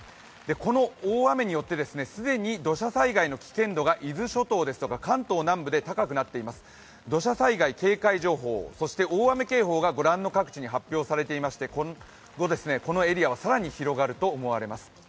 この大雨によって既に土砂災害の危険度が伊豆諸島ですとか関東南部で高くなっています、土砂災害警戒情報そして大雨警報がご覧の各地に発表されていまして、今後、このエリアは更に広がるとみられます。